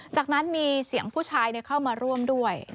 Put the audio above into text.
จากนั้นมีเสียงผู้ชายเข้ามาร่วมด้วย